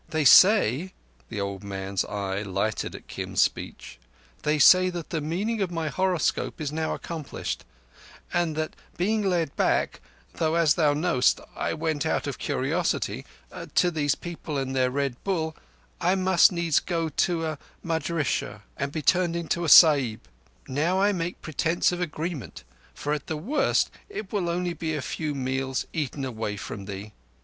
"They say,"—the old man's eye lighted at Kim's speech "they say that the meaning of my horoscope is now accomplished, and that being led back—though as thou knowest I went out of curiosity—to these people and their Red Bull I must needs go to a madrissah and be turned into a Sahib. Now I make pretence of agreement, for at the worst it will be but a few meals eaten away from thee.